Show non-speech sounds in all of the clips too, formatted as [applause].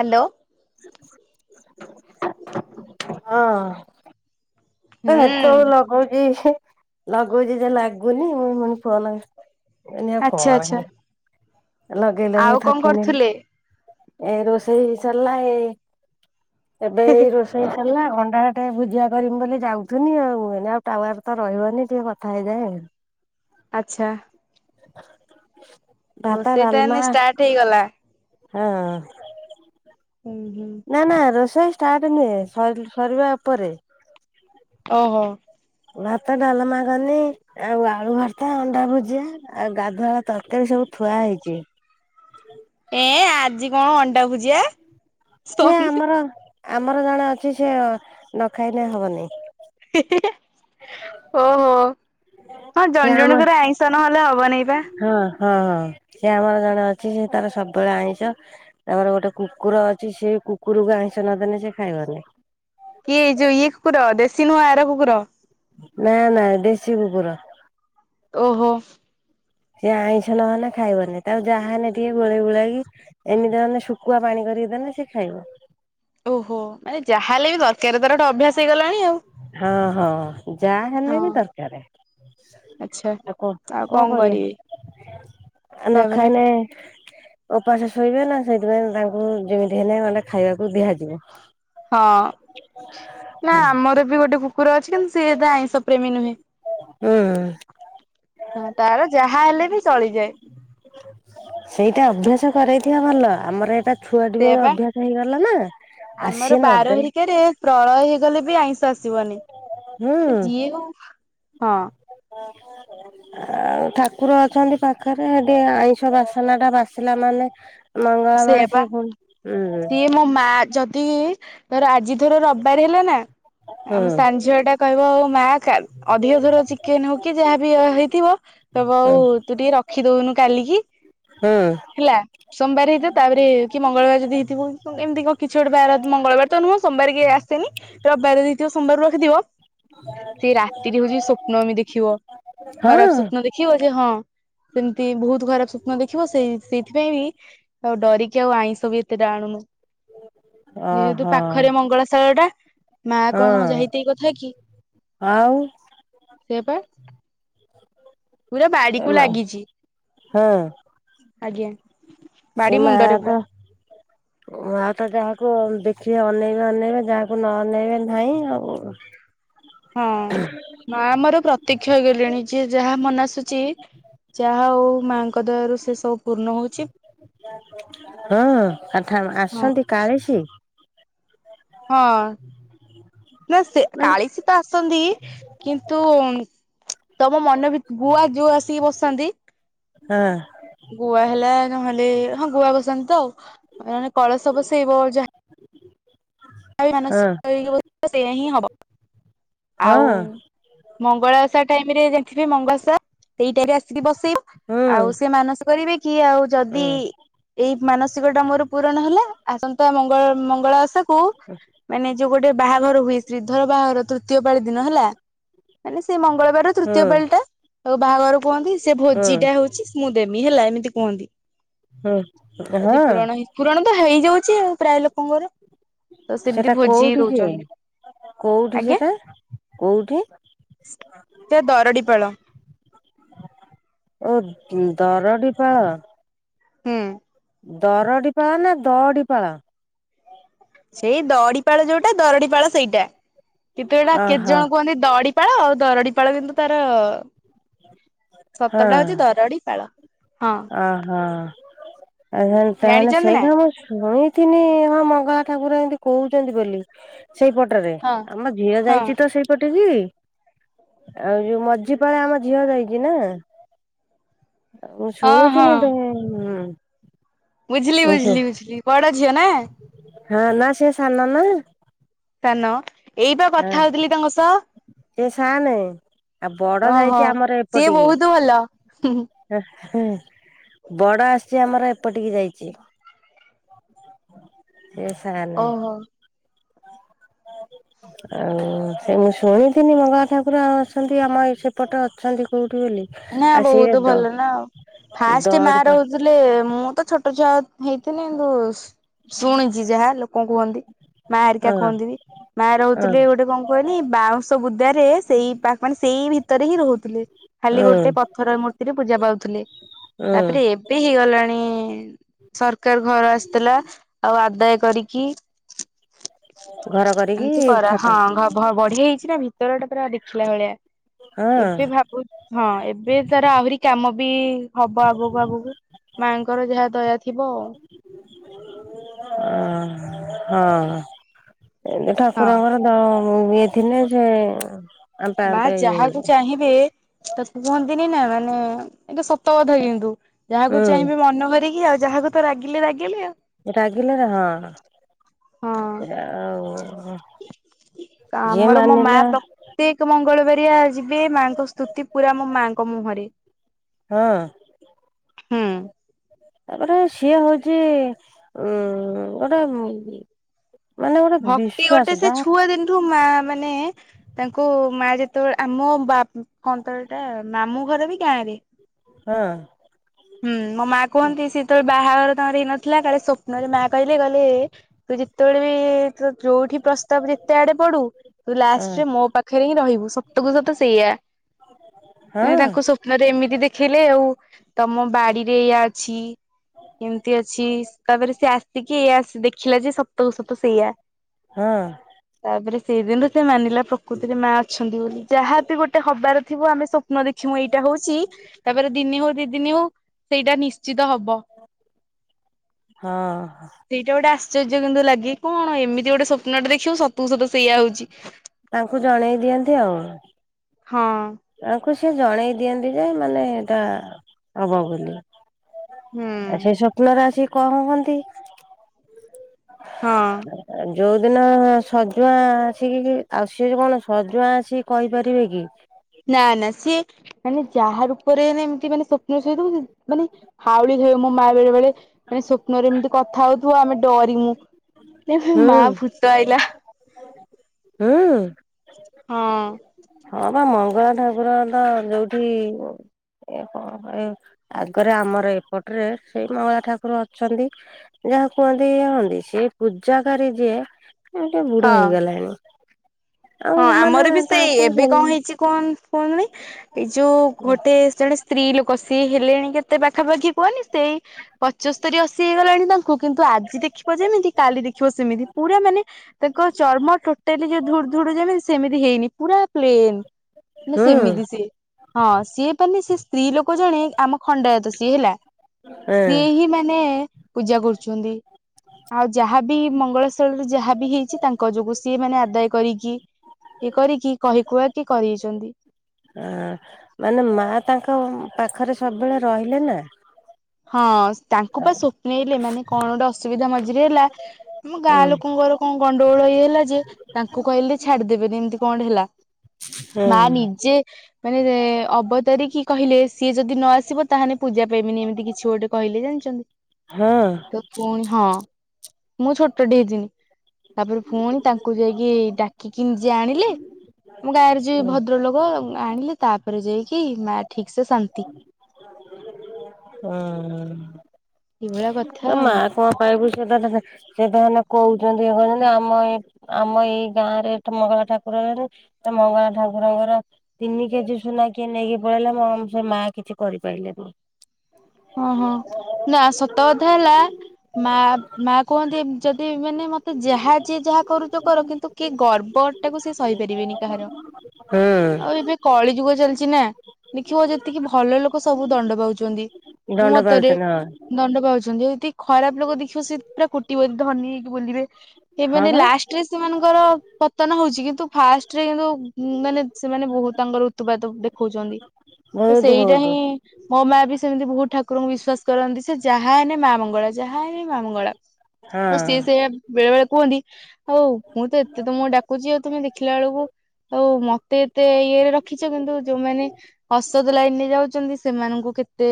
Hello! ହଁ। ଏ ହେତ ଅଳୁ ହୁଁ। ଲଗଉଛି, ହିଁ, ଲଗଉଛି ଯେ ଲାଗୁନି ମୁଁ ପୁଣି ଫୋନ ଏନେଆଉ ଆଚ୍ଛା କଣ ଆଚ୍ଛା ହେଲା, ଲଗେଇ ଆଉ ଲଗେଇ କଣ ଥକି ନେଲି। କରୁଥିଲେ? ଏଇ ରୋଷେଇ ସାରିଲା। ଏ ଏବେ ଏଇ ରୋଷ୍ ସେଇସଲା ଅଣ୍ଡା ଟିକେ ଭୁଜ୍ୟା କରିମ ବୋଲି ଯାଉଥୁନି ଆଉ, ଏନେ ଆଉ ଟାୱାର ତ ରହିବନି, ଟିକେ କଥା ହେଇଯାଏ ଆଉ। ଆଚ୍ଛା। ଭାତ ରୋଷେଇ ତା ଡାଲମା ହେନେ ଷ୍ଟାର୍ଟ ହେଇଗଲା। ହଁ। ହୁଁ, ହୁଁ। ନା, ନା, ରୋଷେଇ ଷ୍ଟାର୍ଟ ନୁହେଁ, ସର୍ ସରିବା ଉପରେ। ଓହୋ ଭାତ ଡାଲମା କନି ଆଉ ଆଳୁ ଭର୍ତା ଅଣ୍ଡା ଭୁଜିଆ ଆଉ ଗାଧୁଆଳ ତରକାରୀ ସବୁ ଥୁଆ ହେଇଛି ଏ ଆଜି କଣ ଅଣ୍ଡା ଭୁଜିଆ ସେ ସନି ଆମର ଆମର ଜଣେ ଅଛି ସେ ନଖାଇନେ ହବନି ହିଁ ହିଁ ହେଁ ଓହୋ ହଁ ସେ ଜଣ ଆମ ଜଣଙ୍କର ଆଇଁଷ ନହେଲେ ହବନାଇଁ ବା ହଁ ହଁ ସେ ଆମର ଜଣେ ଅଛି ସେ ତାର ସବୁବେଳେ ଆଇଁଷ ତାପରେ ଗୋଟେ କୁକୁର ଅଛି ସେ କୁକୁରକୁ ଆଇଁଷ ନଦେଲେ ସେ ଖାଇବନି କିଏ ଏଇ ଯୋଉ ଇଏ କୁକୁର ଦେଶୀ ନୁହଁ ଆର କୁକୁର ନା ନା ଦେଶୀ କୁକୁର ଓହୋ ସିଏ ଆଇଁଷ ନହନେ ଖାଇବନି ତାକୁ ଯାହାନେ ଟିକେ ଗୋଳେଇ ଗୋଳେଇକି ଏମିତି ନାହେନେ ଶୁଖୁଆ ପାଣି କରିକି ଦେଲେ ସେ ଖାଇବ ଓହୋ ମାନେ ଯାହା ହେଲେ ବି ତରକାରୀ ତରଠେ ଅଭ୍ୟାସ ହେଇଗଲାଣି ଆଉ ହଁ ହଁ ଯାହା ହଁ ହେନେ ବି ଦରକାର ଆଚ୍ଛା। ଆ କ ଆଉ କଣ କରିବା କରିବି। ଆଉ ନ ସେୟା ପରା ଖାଇନେ ଓପାସ ଶୋଇବେ ନା ସେଇଥିପାଇଁ ତାଙ୍କୁ ଯେମିତି ହେଲେ ଗଣ୍ଡେ ଖାଇବାକୁ ଦିହାଯିବ ହଁ ନା ଆମର ବି ଗୋଟେ କୁକୁର ଅଛି କିନ୍ତୁ ସିଏ ଏତ ଆଇଁଷ ପ୍ରେମୀ ନୁହେଁ ହୁଁ ହଁ ତାର ଯାହା ହେଲେ ବି ଚଳିଯାଏ ସେଇଟା ଅଭ୍ୟାସ କରରେଇଥିବା ଭଲ ଆମର ଏଇଟା ଛୁଆଟି ସେୟା ବେଳୁ ପା ଅଭ୍ୟାସ ହେଇଗଲା ନା ଆମର ଆସିଏ ବାର ନଦେନ ହେରିକାରେ ପ୍ରଳୟ ହେଇଗଲେ ବି ଆଇଁଷ ଆସିବନି ହୁଁ ଯିଏ ହଉ ହଁ ହଁ [inaudible] ଆଉ ଠାକୁର ଅଛନ୍ତି ପାଖରେ ସେଠି ଆଇଁଷ ବାସନା ଟା ବାସିଲା ମାନେ ମଙ୍ଗଳା ମା ସେୟା ବା ସିଏ ପୁଣି ହୁଁ ସିଏ ମୋ ମା ଯଦି ଧର ଆଜି ଥର ରବିବାର ହେଲା ନା ହୁଁ ଆମ ସାନ୍ ଝିଅଟା କହିବ ଆଉ ମା ଖା ଅଧିକ ଥର ଚିକେନ ହଉ କି ଯାହାବି ହେଇଥିବ କଇବ ହୁଁ ଆଉ ତୁ ଟିକେ ରଖିଦଉନୁ କାଲିକି ହୁଁ ହେଲା ସୋମବାର ତାପରେ କି ମଙ୍ଗଳବାର ଯଦି ହେଇଥିବ ଏମିତି କ କିଛି ଗୋଟେ ବା ମଙ୍ଗଳବାର ତ ନୁହଁ ସୋମାର କି ଆସେନି ରବିବାର ଦେଇଥିବ ସୋମବାରରୁ ରଖିଥିବ ସେ ରାତିରେ ହଉଛି ସ୍ୱପ୍ନମି଼ ଦେଖିବ ହଁ ଖରାପ ସ୍ୱପ୍ନ ଦେଖ ଦେଖିବ ଯେ ହଁ ସେମତି ବହୁତ ଖରାପ ସ୍ୱପ୍ନ ଦେଖିବ ସେଇ ସେଇଥିପାଇଁ ବି ଆଉ ଡରିକି ଆଉ ଆଇଁଷ ବି ଏତେଟା ଆଣୁନୁ ଯେହେତୁ ଓହୋ ପାଖରେ ମଙ୍ଗଳାଶାଳ ଟା ମା କଣ ହଁ ଯାହିଁତଇ କଥା କି ଆଉ ସେପେ ପୁରା ଏ ବାଡିକୁ ମା ଲାଗିଛି ହଁ ଆଜ୍ଞା ସେ ବାଡି ମା ମୁଣ୍ଡରେ ପୁରା ତ ଓ ଆଉ ତ ଯାହାକୁ ଦେଖିବେ ଅନେଇବେ ଅନେଇବେ ଯାହାକୁ ନ ଅନେଇବେ ନାଇଁ ଆଉ ହଁ ମା ଆମର ପ୍ରତୀକ୍ଷଇ ଗଲେଣି ଯିଏ ଯାହା ମନେ ଆସୁଛି ଯାହା ଆଉ ମାଙ୍କ ଦୟା ରୁ ସେ ସବୁ ପୂର୍ଣ ହଉଛି। ହଁ ଆଠା ହଁ ଆସନ୍ତି କାଳିଶ ହଁ ନା ସେ ମାନେ କାଳିଶୀ ତ ଆସନ୍ତି କିନ୍ତୁ ତମ ମନ ଭିତ ଭୁଆ ଯୋଉ ଆସିକି ବସାନ୍ତି ହଁ। ଗୁଆ ହେଲା ନହେଲେ ହଁ ଗୁଆ ବସାନ୍ତି ତ ଆଉ କଳସ ବସେଇବ ଯାହା ଯାହା ହଁ। ମାନସିକ କରି ବସେଇବ ସେଇଆ ହିଁ ହବ। ଆଉ ହଁ ମଙ୍ଗଳା ଓଷା ଟାଇମ୍ ରେ ଜାଣିଥିବେ ମଙ୍ଗଳାଓଷା ସେଇ ଟାଇମ୍ ରେ ଆସିକି ବସ୍ ସିଏ ହୁଁ ଆଉ ସେ ମାନସିକ କରିବେ କି ଆଉ ଯଦି ହୁଁ ଏଇ ମାନସିକ ଟା ମୋର ପୂରଣ ହେଲା ଆସନ୍ତା ମଙ୍ଗଳ -ମଙ୍ଗଳା ଓଷାକୁ ମାନେ ଯଉ ଗୋଟେ ବାହାଘର ହୁଏ ଶ୍ରୀଧର ବାହାଘର ତୃତୀୟ ପାଳି ଦିନ ହେଲା ମାନେ ସେ ମଙ୍ଗଳବାର ତୃତୀୟ ହୁଁ ପାଳି ଟା ତାକୁ ବାହାଘର କୁହନ୍ତି ସେ ହୁଁ ଭୋଜିଟା ହଉଚି ମୁଁ ଦେବି ହେଲା ଏମିତି କୁହନ୍ତି ହୁଁ ଯଦି ହଁ ପୁରଣ ହେ ପୁରଣ ତ ହେଇଯାଉଚି ଆଉ ପ୍ରାୟ ଲୋକଙ୍କର। ତ ସେମିତି ସେଟା ଭୋଜି କୋଉଠି ସିଏ ଦଉଛନ୍ତି। କୋଉଠି ଆଜ୍ଞା ସେଟା କୋଉଠି? ସେ ଦରଡି ପାଳ। ଓ ଦରଡି ପାଳ। ହୁଁ। ଦରଡି ପାଳ ନା ଦଡି ପାଳ? ସେଇ ଦଡିପାଳ ଯଉଟା ଦରଡିପାଳ ସେଇଟା କିନ୍ତୁ ଏଇଟା କେତେ ଓହୋ ଜଣ କୁହନ୍ତି ଦଡି ପାଳ ଆଉ ଦରଡି ପାଳ କିନ୍ତୁ ତାର ସତ ଟା ହଉଚି ଦରଡି ପାଳ। ହଁ। ଅହୋ ଆ- ତାହଲେ ଜାଣିଛନ୍ତି ନା ସେଇଟା ଆ- ଶୁଣି ଥିଲି ହଁ ମଙ୍ଗଳା ଠାକୁର ଏମିତି କହୁଚନ୍ତି ବୋଲି। ସେଇପଟରେ ହଁ। ଆମ ଝିଅ ହଁ ଯାଇଚି ତ ସେଇପଟି। ଆଉ ଯଉ ମଝି ପାଳି ଆମ ଝିଅ ଯାଇଚି ନା। ମୁଁ ହଁ ହଁ ଶୁଣିଥିଲି ଟିକେ ହୁଁ- ବୁଝିଲି- ବୁଝିଲି- ବୁଝିଲି ବଡ ଝିଅ ନା? ହଁ -ନା ସେ ସାନ ନା। ସାନ ଏଇ ବା ହଁ କଥା ହଉଥିଲି ତାଙ୍କ ସହ। ସେ ସାନେ ଆଉ ବଡ ଓହୋ ଯାଇଚି ଆମର ସିଏ ବହୁତ ଭଲ। ଏପଟିକି। ବଡ ଆସିଚି ଆମର ଏପଟିକି ଯାଇଚି। ସେ ସାନେ। ଓହୋ ଆଉ ସେ ମୁଁ ଶୁଣିଥିଲି ମଙ୍ଗଳା ଠାକୁର ଆଉ ଅଛନ୍ତି ଆମ ଏପଟେ ଏପଟ ଅଛନ୍ତି କୋଉଠି ବୋଲି ନା ଆଉ ସେଇଟା ବହୁତ ଦ- ଦଡି ପାଳ ବଲେ ମୁଁ ତ ଛୋଟ ଛୁଆ ହେଇଥିଲି [unintelligible] ଶୁଣିଚି ଯାହା ଲୋକ କୁହନ୍ତି ମା ହେରିକା ହଁ କୁହନ୍ତି ବି ମା ହଁ ରହୁଥିଲେ ଗୋଟେ କଣ୍ କୁହନି ବାଉଁଶ ବୁଦା ରେ ସେଇ ପା ମାନେ ସେଇ ଭିତରେ ହିଁ ରହୁଥିଲେ ଖାଲି ହୁଁ ଗୋଟେ ପ ଥର ମୂର୍ତ୍ତି ରେ ପୂଜା ପାଉଥିଲେ ହୁଁ ତାପରେ ଏବେ ହେଇଗଲାଣି ସରକାର୍ ଘର ଆସିଥିଲା ଆଉ ଆଦାୟ କରିକି ଘର କରିକି ଏମିତି କରା ଛାତ ହଁ ଘ ଘ- ବଢିଆ ହେଇଚି ନା ଭିତର ଟା ପୁରା ଦେଖିଲା ଭଳିଆ ହଁ ଏବେ ଭାବୁ ହଁ ଏବେ ତାର ଆହୁରି କାମ ବି ହବ ଆଗକୁ ଆଗକୁ ମାଙ୍କୁ ମାଙ୍କର ଯାହା ଦୟା ଥିବ। ହ- ହଁ -ଏଇନେ ହଁ ଠାକୁରଙ୍କର ଦ- ମୁଁ ଇଏ ଥିଲେ ସେ ଆମ୍ପେ ମା ଆମ୍ପେ ଇଏ ଯାହାକୁ ହେଇଯାଏ। ଚାହିଁବେ ତାକୁ କୁହନ୍ତିନି ନା ମାନେ ଏଟା ସତ କଥା କିନ୍ତୁ ଯାହାକୁ ଚାହିଁବେ ହୁଁ ମନ ଭରିକି ଆଉ ଯାହାକୁ ତ ରାଗିଲେ ରାଗିଲେ ଆଉ। ରାଗିଲେ ହଁ- ହଁ ହଁ [unintelligible] ଯିଏ ମାନିଲା ସେ ଏକ୍ ମଙ୍ଗଳବାରିଆ ଯିବେ ମାଆଙ୍କ ସ୍ତୁତି ପୁରା ମୋ ମାଙ୍କ ମୁହଁରେ। ହଁ। ହୁଁ ତାପରେ ସିଏ ହଉଛି ଉଁ ଗୋଟେ ମ ମାନେ ଗୋଟେ ବିଶ୍ଵାସ ଯାହା ତୁ ମା ମାନେ ତାଙ୍କୁ ମା ଯେତେବେଳେ ଆମ ବା କଣ ତ ସେଟା ମାମୁଁ ଘର ବି ଗାଁ ରେ। ହଁ। ହୁଁ ମୋ ମା କୁହନ୍ତି ସିଏ ଯେତେବେଳେ ବାହାଘର ଘର ହେଇ ନଥିଲା କାଳେ ସ୍ବପ୍ନରେ ମା କହିଲେ, କହିଲେ ତୁ ଯେତେବେଳେ ବି ତୁ ଯୋଉଠି ପ୍ରସ୍ତାବ ଯେତେ ଆଡେ ପଡୁ ତୁ ହଁ ଲାଷ୍ଟରେ ମୋ ପାଖରେ ହିଁ ରହିବୁ ସତକୁୁ ସତ ସେଇଆ। ହଁ! ଥରେ ଏମିତି ଦେଖେଇଲେ ଆଉ ତମ ବାଡିରେ ଏଇୟା ଅଛି ଏମିତି ଅଛି ତାପରେ ସେ ଆସିକି ଇଏ ଆସି ଦେଖିଲା ଯେ ସତ କୁ ସତ ସେଇଆ। ହଁ। ତାପରେ ସେଇଦିନରୁ ସେ ମାନିଲା ପ୍ରକୃତିରେ ମା ଅଛନ୍ତି ବୋଲି। ଯାହାବି ଗୋଟେ ହବାର ଥିବ ଆମେ ସବ ସ୍ବପ୍ନ ଦେଖିବୁ ଏଇଟା ହଉଛି ତାପରେ ଦିନେ ହଉ ଦି ଦିନ ହଉ ସେଇଟା ନିଶ୍ଚିତ ହବ। ହଁ। ସେଇଟା ଗୋଟେ ଆଶ୍ଚର୍ଯ୍ୟ କିନ୍ତୁ ଲାଗେ କଣ ଏମିତି ଗୋଟେ ସ୍ୱପ୍ନଟେ ଦେଖିବ ସତକୁ ସତ ସେଇଆ ହଉଛି। ତାଙ୍କୁ ଜଣେଇ ଦିଅନ୍ତି ଆଉ। ହଁ। ତାଙ୍କୁ ସେ ଜଣେଇ ଦିଅନ୍ତି ଯେ ମାନେ ଏଟା ହବ ବୋଲି। ଆ ହୁଁ ସେ ସ୍ୱପ୍ନରେ ଆସି କହୁଅନ୍ତି। [inaudible] ହଁ। ଯୋଉଦିନ ସଜୁଆଁ ଆସିକି, ଆଉ ସିଏ କଣ ସଜୁଆ ଆସିକି କହିପାରିବେ କି? ନା, ନା, ସିଏ ମାନେ ଯାହା ରୂପରେ ନେ ଏମିତି ମାନେ ସ୍ୱପ୍ନ ସେ ଦଉଛନ୍ତି ମାନେ ହାଉଳି ଖାଇବ ମୋ ମା ବେଳେ ବେଳେ ମାନେ ସ୍ୱପ୍ନରେ ଏମିତି କଥା ହଉଥିବ ଆମେ ଡରିମୁ। ଇହି ହୁଁ ମା ଭୂତ ଆଇଲା। ହୁଁ! ହଁ। ହଁ ବା ମଙ୍ଗଳା ଠାକୁର ତ ଯୋଉଠି ଏ ଏ ଆଗରେ ଆମର ଏପଟ ରେ ସେଇ ମଙ୍ଗଳା ଠାକୁର ଅଛନ୍ତି ଯାହା କୁହନ୍ତି ଇଏ ହୁଅନ୍ତି ସେ ପୂଜା କରେ ଯିଏ ଗୋଟେ ବୁଢ ହଁ। ହେଇଗଲାଣି। ଆଉ ହଁ ମାନେ ଆମର ବି ସେଇ ତାଙ୍କୁ ଏବେ ହୁଁ କଣ ହେଇଛି କଣ କୁଣନି ଏଇ ଯୋଉ ଗୋଟେ ଜଣେ ସ୍ତ୍ରୀ ଲୋକ ସିଏ ହେଲେଣି କେତେ ପାଖାପାଖି କୁହନି ସେଇ? ପଞ୍ଚସ୍ତରୀ ଅଶୀ ହେଇଗଲାଣି ତାଙ୍କୁ କିନ୍ତୁ ଆଜି ଦେଖିବ ଯେମିତି କାଲି ଦେଖିବ ସେମିତି ପୁରା ମାନେ ତାଙ୍କ ଚର୍ମ ଟୋଟାଲି ଯୋଉ ଧୁଡ ଧୁଡ ଯେମିତି ସେମିତି ହେଇନି ପୁରା ପ୍ଲେନ। ନା ସେମିତି ସିଏ ହଁ ସିଏ ମାନ ସେ ସ୍ତ୍ରୀ ଲୋକ ଜଣେ ଆମ ଖଣ୍ଡାୟତ ସିଏ ହେଲା ହଁ ସିଏ ହିଁ ମାନେ ପୂଜା କରୁଛନ୍ତି ଆଉ ଯାହାବି ମଙ୍ଗଳ ରେ ଯାହା ବି ହେଇଛି ତାଙ୍କ ଯୋଗୁଁ ସିଏ ମାନେ ଆଦାୟ କରିକି ଏ କରିକି କହି କୁହା କି କରେଇଛନ୍ତି। ହଁ ମାନେ ମା ତାଙ୍କ ପାଖରେ ସବୁବେଳେ ରହିଲେ ନା। ହଁ ତାଙ୍କୁ ପା ସ୍ୱପ୍ନ ହେଲେ ମାନେ କଣ ଗୋଟେ ଅସୁବିଧା ମଝିରେ ହେଲା ଆମ ହୁଁ ଗାଁ ଲୋକଙ୍କର କଣ ଗଣ୍ଡଗୋଳ ଇଏ ହେଲା ଯେ ତାଙ୍କୁ କହିଲେ ଛାଡିଦେବେନି ଏମିତି କଣ ଗୋଟେ ହେଲା। ହୁଁ ମା ନିଜେ ମାନେ ଅବତାରିକି କହିଲେ ସିଏ ଯଦି ନ ଆସିବ ତାହେଲେ ପୂଜା ପାଇବନି ଏମିତି କି ଛି ଗୋଟେ କହିଲେ ଜାଣିଛନ୍ତି ହଁ ତ ପୁଣି ହଁ ମୁଁ ଛୋଟଟି ହେଇଥିନି। ତାପରେ ପୁଣି ତାଙ୍କୁ ଯାଇକି ଡାକିକି ନିଜେ ଆଣିଲେ ମୋ ଗାଁରେ ଯ ହୁଁ ଭଦ୍ରଲୋକ ଆଣିଲି ତାପରେ ଯାଇକି ମା ଠିକ ସେ ଶାନ୍ତି। ହୁଁ ମା ଏଇଭଳିଆ କଥା ଆଉ। କନ [unintelligible] ସେ ତ ହେନେ କହୁଛନ୍ତି [unintelligible] ଆମ ଏ ଆମ ଏଇ ଗାଁ ରେ ମଙ୍ଗଳା ଠାକୁର ହେ। ତ ମଙ୍ଗଳା ଠାକୁରଙ୍କର ତିନି କେଜି ସୁନା କିଏ ନେଇକି ପଳେଇଲା ସେ ମା କିଛି କରିପାରିଲେନି? ଓ ହଁ ନା ସତ କଥା ହେଲା ମା ମା କୁହନ୍ତି? ଯଦି ମାନେ ମତେ ଯାହା ଯିଏ ଯାହା କରୁଛ କର କିନ୍ତୁ କିଏ ଗର୍ବ ସେଟାକୁ ସେ ସହିପାରିବେନି କାହାର ଆଉ ଏବେ କଳି ଯୁଗ ଚାଲିଛି ନା ଦେଖିବ ଯେତିକି ଭଲ ଲୋକ ସବୁ ଦଣ୍ଡ ପାଉଛନ୍ତି। ଦଣ୍ଡ ମତରେ ପାଉଛନ୍ତି ହଁ ଦଣ୍ଡ ପାଉଛନ୍ତି, ଯଦି ଖରାପ ଲୋକ ଦେଖିବ ସେ ପୁରା କୋଟିପତି ଧନୀ ହେଇକି ବୁଲିବେ। ହଁ ଏମାନେ ବା ଲାଷ୍ଟ। ସେମାନଙ୍କର ପତନ ହଉଛି କିନ୍ତୁ ଫାଷ୍ଟରେ କିୁ ମାନେ ସେମାନେ ବହୁତ ତାଙ୍କର ତୁ ବା ତ ଦେଖଉଛନ୍ତି। ତ ବହୁତ ସେଇଟା ବହୁତ ହିଁ ମୋ ମା ବି ସେମିତି ବହୁତ ଠାକୁରଙ୍କୁ ବିଶ୍ଵାସ କରନ୍ତି ସେ ଯାହା ହେନେ ମା ମଙ୍କର ମଙ୍ଗଳା ଯାହା ହେ ମା ମଙ୍ଗଳା। ହଁ ଆଉ ସିଏ ସେ ବେଳେ ବେଳେ କୁହନ୍ତି ଆଉ ମୁଁ ତ ଏତେ ତମକୁ ଡାକୁଛି ଆଉ ତମେ ଦେଖିଲା ବେଳକୁ ଆଉ ମତେ ଏତେ ଇଏରେ ରଖିଛ କିନ୍ତୁ ଯୋଉମାନେ ଔସତ ଲାଇନରେ ଯାଉଛନ୍ତି ସେମାନଙ୍କୁ କେତେ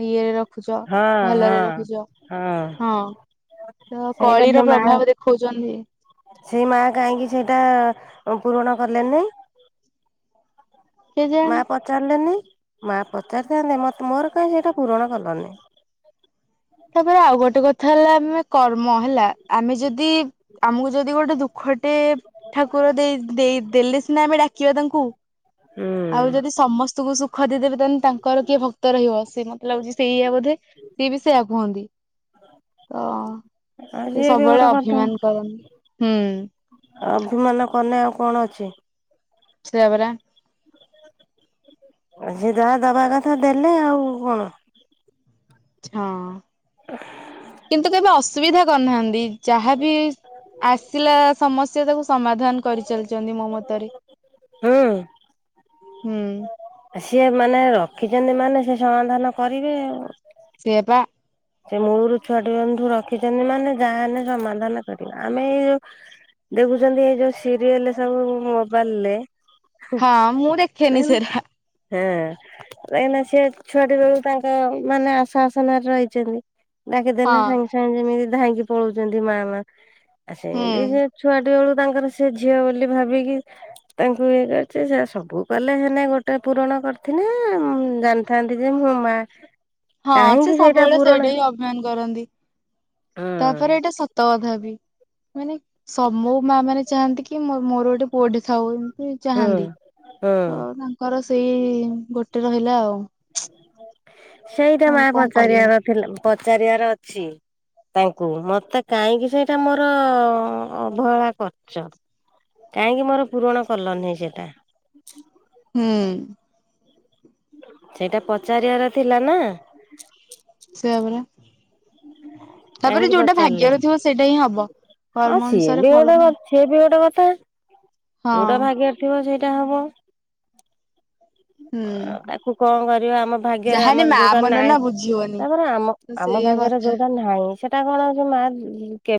ଇଏରେ ରଖୁଛ ହଁ ଭଲରେ ହଁ ରଖୁଛ ହଁ। ତ ସେଇଟା କଳିର ସେ ମା ପ୍ରଭାବ ଦେଖଉଛନ୍ତି। ସେଇ ମାଆ କାହିଁକି ସେଇଟା ପୂରଣ କଲେନି? ମା କେଜାଣି। ପଚାରିଲେନି ମା ପଚାରିଥାନ୍ତେ ମତେ ମୋର କାହିଁ ସେଇଟା ପୂରଣ କଲନି? ତାପରେ ଆଉ ଗୋଟେ କଥା ହେଲା ଆମେ କର୍ମ ହେଲା ଆମେ ଯଦି ଆମକୁ ଯଦି ଗୋଟେ ଦୁଃଖ ଗୋଟେ ଠାକୁର ଦେଇ ଦେଇ ଦେଲେ ସିନା ଆମେ ଡାକିବା ତାଙ୍କୁ? ହୁଁ। ଆଉ ଯଦି ସମସ୍ତଙ୍କୁ ସୁ ଖ ଦେଇଦେବେ ତାନେ ତାଙ୍କର କିଏ ଭକ୍ତ ରହିବ ସେ ମତେ ଲାଗୁଛି ସେଇୟଆ ବୋଧେ। ସିଏ ବି ସେଇଆ କୁହନ୍ତି। ତ ଆଉ ସେ ସିଏ ବି ସବୁବେଳେ ଗୋଟେ କଥା ଅଭିମାନ କରନ୍ତି ହୁଁ। ଅଭିମାନ କନେ ଆଉ କଣ ଅଛି? ସେୟା ବରା। ଯେ ଯାହା ଦବା କଥା ଦେଲେ ଆଉ କଣ? ହଁ। [unintelligible] କିନ୍ତୁ କେବେ ଅସୁବିଧା କରିନାହାନ୍ତି ଯାହାବି ଆସିଲା ସମସ୍ତ ସେ ତାକୁ ସମାଧାନ କରିଚାଲିଛନ୍ତି ମୋ ମତରେ। ହୁଁ। ହୁଁ। ସିଏ ମାନେ ରଖିଛନ୍ତି ମାନେ ସେ ସମାଧାନ କରିବେ ଆଉ। ସେୟାପା। ସେ ମୂଳରୁ ଛୁଆଟି ମାନଙ୍କୁ ରଖିଛନ୍ତି ମାନେ ଯାହା ହେନେ ସମାଧାନ କରିବା। ଆମେ ଦେଖୁଛନ୍ତି ଏଇ ଯୋଉ ସିରିଏଲ ସବୁ ମୋବାଇଲ ରେ। ହଁ ମୁଁ ଦେଖେନି ସେରା ହା। ହେଁ କାହିଁକିନା ସେ ଛୁଆଟି ବେଳୁ ତାଙ୍କ ମାନେ ଆସା ଆସନରେ ରହିଚନ୍ତି। ଡାକିଦେନେ ହଁ। ସାଙ୍ଗେ ସାଙ୍ଗେ ଯେମିତି ଧାଇଙ୍କି ପଳଉଚନ୍ତି ମା ମା। ଆ ସେମିତି ହୁଁ ସେ ଛୁଆଟି ବେଳୁ ତାଙ୍କର ସେ ଝିଅ ବୋଲି ଭାବିକି ତାଙ୍କୁ ଇଏ କରିଛି। ସେ ସବୁ କଲେ ହେନେ ଗୋଟେ ପୂରଣ କରିଥିନେ ଉଁ ଜାନ ଥାନ୍ତି ଯେ ହୁ ମା। ହଁ ସେ କାହିଁକି ସବୁବେଳେ ପୁରଣ ସେଇଟା ହିଁ ଅଭିମାନ କରନ୍ତି ହୁଁ ତାପରେ ଏଇଟା ସତ କଥା ବି। ମାନେ ସମୁଁ ମା ମାନେ ଚାହାନ୍ତି କି ମୋ ମୋର ଗୋଟେ ପୁଅଟେ ଥାଉ ବୋଲି। ସେ ହୁଁ ଚାହାନ୍ତି ହୁଁ ତ ତାଙ୍କର ସେଇ ଗୋଟେ ରହିଲା ଆଉ। ସେଇଟା ଆଉ ମା କଣ କରିହବ ପଚାରିଆର ଥିଲା, ପଚାରିଆର ଅଛି ତାଙ୍କୁ ମତେ କାହିଁକି ସେଇଟା ମୋର ଅବହେଳା କରିଚ। କାଇଁକି ମୋର ପୁରଣ କଲ ନାଇ ସେଟା? ହୁଁ। ସେଇଟା ପଚାରିବାର ଥିଲା ନା। ସେୟା ପରା। ତାପରେ କାହିଁକି ଯୋଉଟା ପଚାରିଲେନି। ଭାଗ୍ୟରେ ଥିବ ସେଇଟା ହିଁ ହବ। ହଁ କର୍ମ ସିଏ ଅନୁସାରେ ବି ଫଳ ଗୋଟେ ନା। ସିଏ ବି ଗୋଟେ କଥା ହଁ। ଯୋଉଟା ଭାଗ୍ୟରେ ଥିବ ସେଇଟା ହବ। ଅ, ହୁଁ। ଆକୁ କଣ କରିବା ଆମ ଭାଗ୍ୟରେ ଯାହାନେ ଆମର ମା ଯୋଉଟା ମନ ନାହିଁ, ନା ବୁଝି ହବନି ତାପରେ ଆମ ତ ଆମ ସେଇଆ ଭାଗ୍ୟରେ କଥା। ଯୋଉଟା ନାହିଁ ସେ ଟା କଣ ସେ ମା କେ